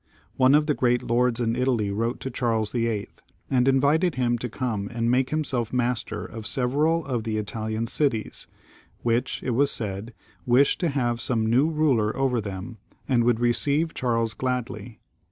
One of the great lords in Italy wrote to Charles VIII., and invited him to come and make himself master of several of the Italian cities, which, it was said, wished to have some new ruler over them, and would receive Charles gladly.